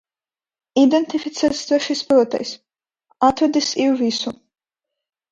Identificēts trešais spēlētājs. Atradīs it visu.